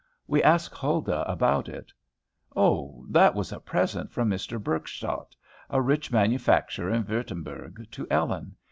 We asked Huldah about it. "Oh, that was a present from Mr. Burchstadt, a rich manufacturer in Würtemberg, to Ellen.